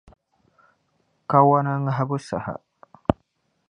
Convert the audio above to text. kawana ŋahibu saha.